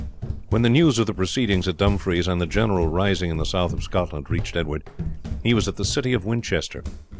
When the news of the proceedings at Dumfries and the general rising in the south of Scotland reached Edward he was at the city of Winchester.